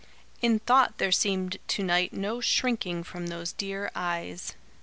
In thought there seemed to night no shrinking from those dear eyes.